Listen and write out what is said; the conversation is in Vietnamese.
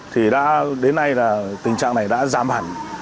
thì đến nay tình trạng này đã giảm hẳn